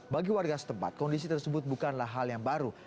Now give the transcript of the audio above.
bagi warga setempat kondisi tersebut bukanlah hal yang baru